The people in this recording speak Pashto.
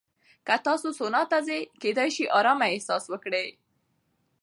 که تاسو سونا ته ځئ، کېدای شي ارامه احساس وکړئ.